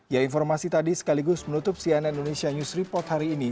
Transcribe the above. ya informasi tadi sekaligus menutup cnn indonesia news report hari ini